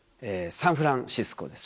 サンフランシスコです。